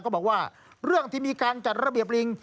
บอกว่าเรื่องที่มีการจัดระเบียบลิง